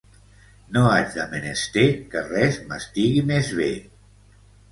No haig de menester que res m'estigui més bé.